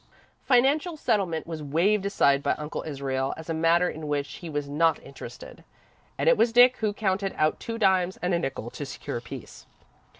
Financial settlement was waved aside by Uncle Israel as a matter in which he was not interested, and it was Dick who counted out two dimes and a nickel to secure peace.